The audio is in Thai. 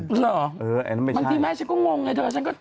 หรือเหรอมันทีแม้ฉันก็งงไง